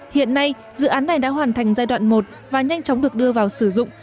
hiện nay dự án này đã hoàn thành giai đoạn một và nhanh chóng được đưa vào sử dụng